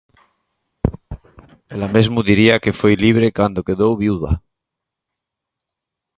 Ela mesmo diría que foi libre cando quedou viúva.